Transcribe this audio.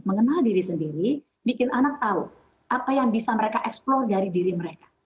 mengenal diri sendiri bikin anak tahu apa yang bisa mereka eksplor dari diri mereka